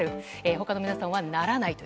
他の皆さんは、ならないと。